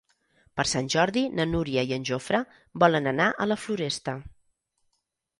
Per Sant Jordi na Núria i en Jofre volen anar a la Floresta.